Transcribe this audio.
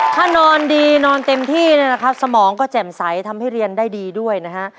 ถ้านอนดีนอนเต็มที่เนี่ยนะครับสมองก็แจ่มใสทำให้เรียนได้ดีด้วยนะฮะ